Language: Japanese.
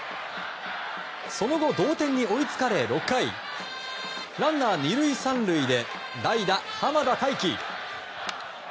その後、同点に追いつかれ６回ランナー２塁３塁で代打、濱田太貴。